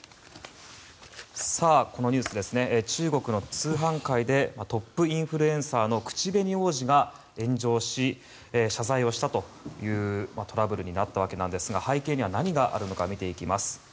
このニュース、中国の通販界でトップインフルエンサーの口紅王子が炎上し謝罪をしたというトラブルになったわけなんですが背景には何があるのか見ていきます。